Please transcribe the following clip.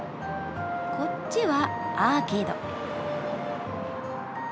こっちはアーケード。